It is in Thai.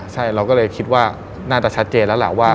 ใช่เราก็เลยคิดว่าน่าจะชัดเจนแล้วล่ะว่า